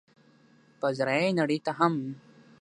په ذريعه ئې نړۍ ته هم